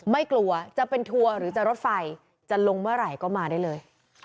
ไม่กลัวจะเป็นทัวร์หรือจะรถไฟจะลงเมื่อไหร่ก็มาได้เลย